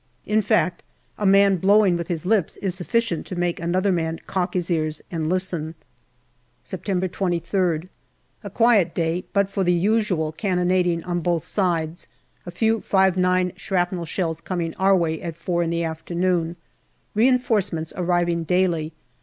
In fact, a man blowing with his lips is sufficient to make another man cock his ears and listen. September 23rd. A quiet day, but for the usual cannonading on both sides, a few 5*9 shrapnel shells coming our way at four in the afternoon. Reinforcements arriving daily.